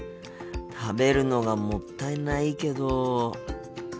食べるのがもったいないけど。